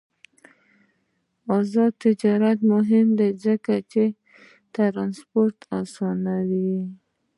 آزاد تجارت مهم دی ځکه چې ترانسپورت اسانوي.